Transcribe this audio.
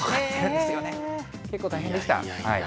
結構大変でした。